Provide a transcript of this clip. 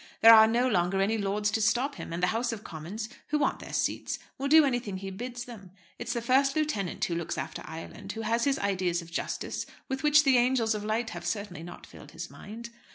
There are no longer any lords to stop him, and the House of Commons, who want their seats, will do anything he bids them. It's the First Lieutenant who looks after Ireland, who has ideas of justice with which the angels of light have certainly not filled his mind.